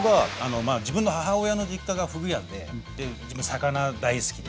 自分の母親の実家がふぐ屋で自分魚大好きで。